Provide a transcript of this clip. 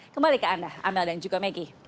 kembali ke anda amel dan juga maggie